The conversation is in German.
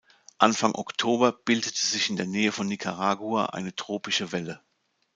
Anfang Oktober bildete sich in der Nähe von Nicaragua eine tropische Welle.